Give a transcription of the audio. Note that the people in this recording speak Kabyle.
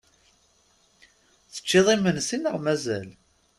Teččiḍ imensi neɣ mazal?